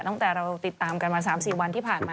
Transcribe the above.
ตั้งแต่เราติดตามกันมา๓๔วันที่ผ่านมา